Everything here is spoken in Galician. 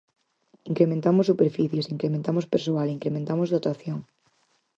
Incrementamos superficies, incrementamos persoal, incrementamos dotación.